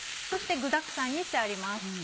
そして具だくさんにしてあります。